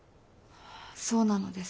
そうなのです。